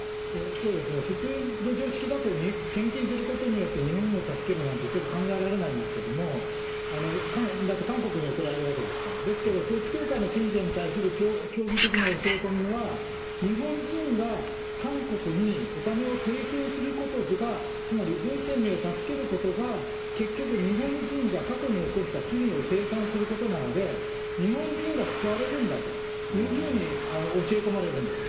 そうですね、普通の常識だと献金することによって、日本を助けるなんて、ちょっと考えられないんですけども、だって韓国に送られるわけですから、ですけど、統一教会の信者に対する教義的な教え込みは、日本人が韓国にお金を提供することが、つまり文鮮明を助けることが結局、日本人が過去に起こした罪を清算することなので、日本人が救われるんだというふうに教え込まれるんです。